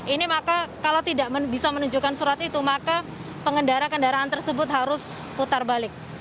ini maka kalau tidak bisa menunjukkan surat itu maka pengendara kendaraan tersebut harus putar balik